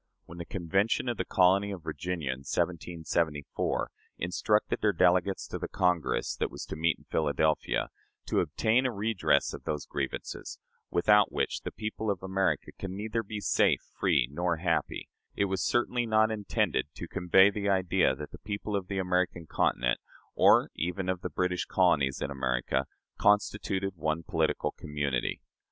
When the Convention of the colony of Virginia, in 1774, instructed their delegates to the Congress that was to meet in Philadelphia, "to obtain a redress of those grievances, without which the people of America can neither be safe, free, nor happy," it was certainly not intended to convey the idea that the people of the American Continent, or even of the British colonies in America, constituted one political community.